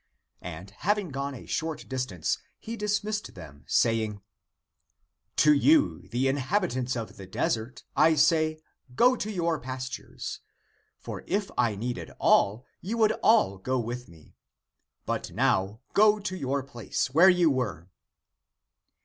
And having gone a short distance, he dismissed them, saying, " To you, the inhabitants of the desert, I say, Go to your pastures! For if I needed all, you would all go with me. But now, go to your place, where you were."